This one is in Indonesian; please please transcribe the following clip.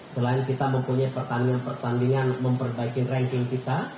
selain kita mempunyai pertandingan pertandingan memperbaiki ranking kita